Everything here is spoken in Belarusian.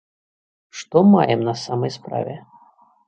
Што маем на самай справе?